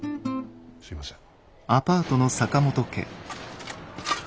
すいません。